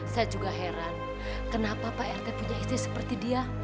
saya juga heran kenapa pak rt punya istri seperti dia